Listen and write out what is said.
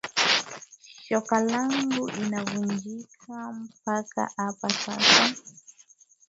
Shoka yangu ina vunjika paka apa sasa